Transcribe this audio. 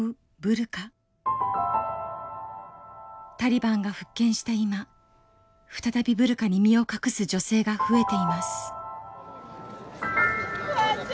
タリバンが復権した今再びブルカに身を隠す女性が増えています。